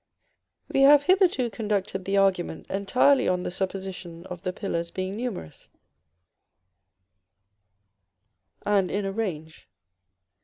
We have hitherto conducted the argument entirely on the supposition of the pillars being numerous, and in a range.